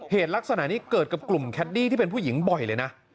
ลักษณะนี้เกิดกับกลุ่มแคดดี้ที่เป็นผู้หญิงบ่อยเลยนะ